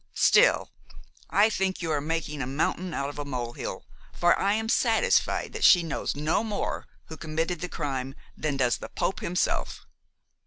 Still, I think you are making a mountain out of a molehill, for I am satisfied that she knows no more who committed the crime than does the Pope himself."